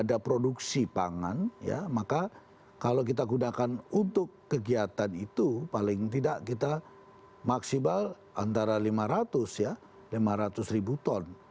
kalau ada produksi pangan ya maka kalau kita gunakan untuk kegiatan itu paling tidak kita maksimal antara lima ratus ya lima ratus ribu ton